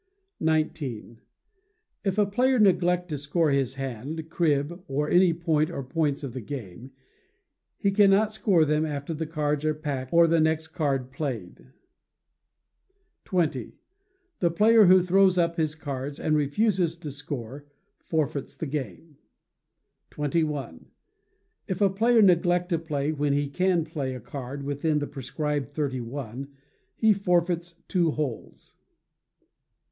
xix. If a player neglect to score his hand, crib, or any point or points of the game, he cannot score them after the cards are packed or the next card played. xx. The player who throws up his cards and refuses to score, forfeits the game. xxi. If a player neglect to play when he can play a card within the prescribed thirty one, he forfeits two holes.